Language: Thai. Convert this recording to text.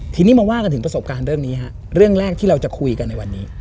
ทีนี้มาว่ากันถึงประสบการณ์เรื่องที่เราจะคุยกันในวันนี้